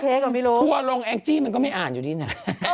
ทววลงแอลกจี้มันก็ไม่อ่านอยู่ดีน่ะ